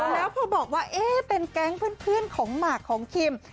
แล้วพอบอกว่าเป็นแก๊งเพื่อนของหมากของคิม